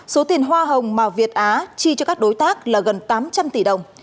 số tiền hoa hồng mà việt á chi cho các đối tác là gần tám trăm linh tỷ đồng